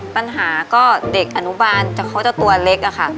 ปัญหาก็เด็กอนุบาลเขาจะตัวเล็กอะค่ะ